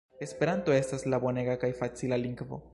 Esperanto estas la bonega kaj facila lingvo.